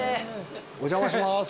お邪魔します。